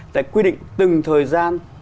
tại quy định từng thời gian